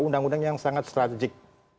undang undang yang sangat strategik